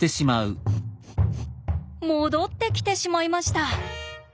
戻ってきてしまいました！